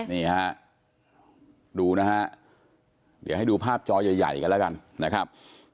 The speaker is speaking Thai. นี่ฮะดูนะฮะเดี๋ยวให้ดูภาพจอใหญ่กันแล้วกันนะครับ